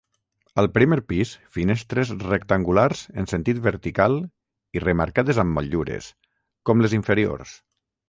Al primer pis finestres rectangulars en sentit vertical i remarcades amb motllures, com les inferiors.